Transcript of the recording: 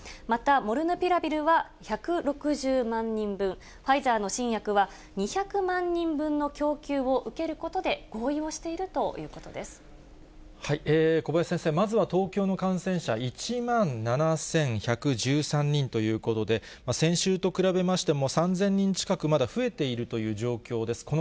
また、モルヌピラビルは１６０万人分、ファイザーの新薬は２００万人分の供給を受けることで合意をして小林先生、まずは東京の感染者１万７１１３人ということで、先週と比べましても、３０００人近くまだ増えているという状況です。